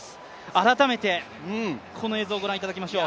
改めてこの映像をご覧いただきましょう。